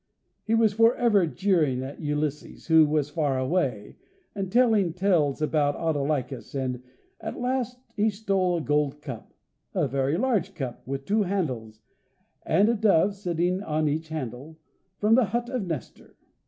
He was for ever jeering at Ulysses, who was far away, and telling tales about Autolycus, and at last he stole a gold cup, a very large cup, with two handles, and a dove sitting on each handle, from the hut of Nestor.